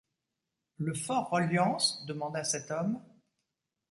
Le Fort-Reliance ? demanda cet homme.